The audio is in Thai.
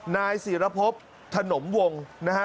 นายศิรพบถนมวงนะฮะ